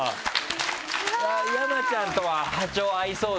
山ちゃんとは波長合いそうですね